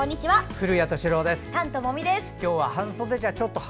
古谷敏郎です。